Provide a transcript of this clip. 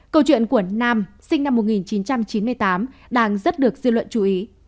câu chuyện của nam sinh năm một nghìn chín trăm chín mươi tám đang rất được dư luận chú ý